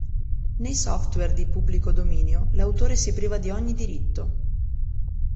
Nei software di pubblico dominio, l'autore si priva di ogni diritto.